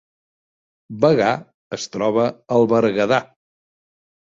Bagà es troba al Berguedà